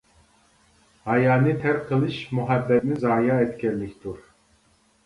ھايانى تەرك قىلىش مۇھەببەتنى زايە ئەتكەنلىكتۇر.